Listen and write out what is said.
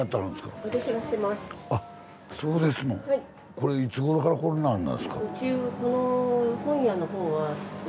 これいつごろからこんなんなんですか？